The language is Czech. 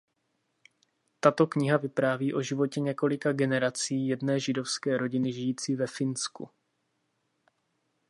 Tato kniha vypráví o životě několika generací jedné židovské rodiny žijící ve Finsku.